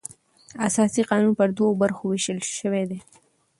اساسي قانون پر دوو برخو وېشل سوى دئ.